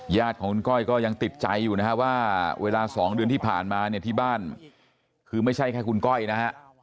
ญาติของคุณก้อยก็ยังติดใจอยู่นะฮะว่าเวลา๒เดือนที่ผ่านมาเนี่ยที่บ้านคือไม่ใช่แค่คุณก้อยนะฮะ